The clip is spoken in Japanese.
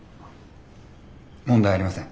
問題ありません。